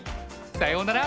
さようなら。